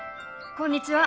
こんにちは！